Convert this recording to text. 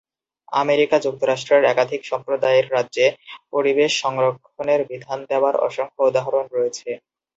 America যুক্তরাষ্ট্রের একাধিক সম্প্রদায়ের রাজ্যে পরিবেশ সংরক্ষণের বিধান দেওয়ার অসংখ্য উদাহরণ রয়েছে।